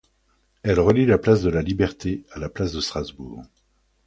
Elle relie la place de la Liberté à la place de Strasbourg.